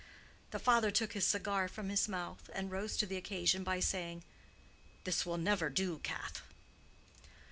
The father took his cigar from his mouth, and rose to the occasion by saying, "This will never do, Cath."